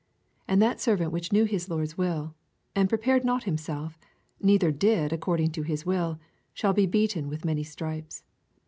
47 And that servant which knew his lord's will, and prepared not him self neither did according to his will, shall be beviten with many stripes.